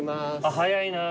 早いなぁ。